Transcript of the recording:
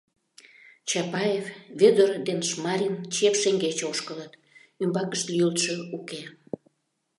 Чапаев, Вӧдыр ден Шмарин чеп шеҥгеч ошкылыт — ӱмбакышт лӱйылтшӧ уке.